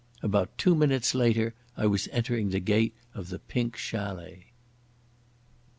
About two minutes later I was entering the gate of the Pink Chalet.